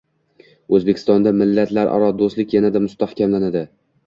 O‘zbekistonda millatlararo do‘stlik yanada mustahkamlanadi